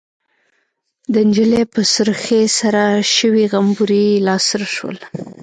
د نجلۍ په سرخۍ سره شوي غومبري لاسره شول.